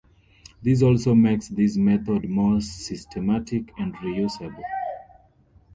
This also makes this method more systematic and reusable.